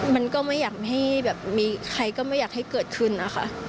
มันก็ไม่อยากให้แบบมีใครก็ไม่อยากให้เกิดขึ้นนะคะ